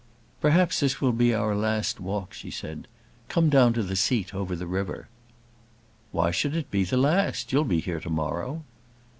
"Perhaps this will be our last walk," she said. "Come down to the seat over the river." "Why should it be the last? You'll be here to morrow."